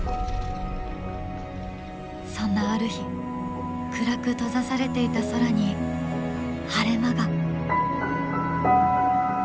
そんなある日暗く閉ざされていた空に晴れ間が！